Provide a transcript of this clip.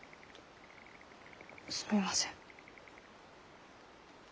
すみません。